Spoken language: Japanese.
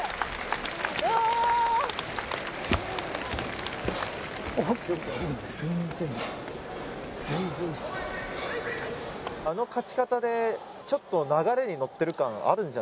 おおあの勝ち方でちょっと流れに乗ってる感あるんじゃない？